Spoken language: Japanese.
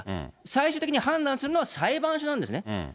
最終的に判断するのは裁判所なんですね。